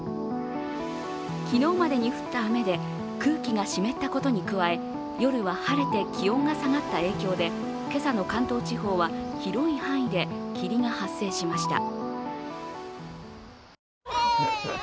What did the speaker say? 昨日までに降った雨で空気が湿ったことに加え夜は晴れて気温が下がった影響で、今朝の関東地方は広い範囲で霧が発生しました。